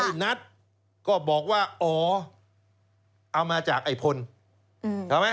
เฮ้ยนัดก็บอกว่าอ๋อเอามาจากไอ้พนธรรม